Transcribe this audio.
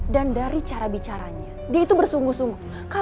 dan dari cara bicaranya dia itu bersungguh sungguh